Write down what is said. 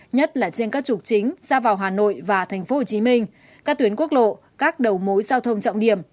nhất là trên các trục chính ra vào hà nội và tp hcm các tuyến quốc lộ các đầu mối giao thông trọng điểm